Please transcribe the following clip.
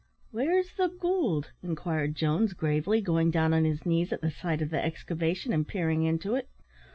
"Where's the gold?" inquired Jones, gravely, going down on his knees at the side of the excavation, and peering into it.